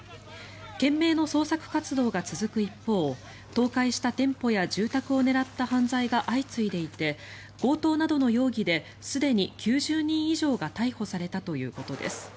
懸命の捜索活動が続く一方倒壊した店舗や住宅を狙った犯罪が相次いでいて強盗などの容疑ですでに９０人以上が逮捕されたということです。